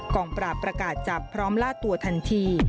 งปราบประกาศจับพร้อมล่าตัวทันที